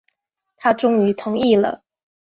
他终于同意了